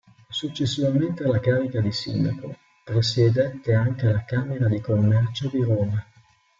Successivamente alla carica di Sindaco, presiedette anche la Camera di Commercio di Roma.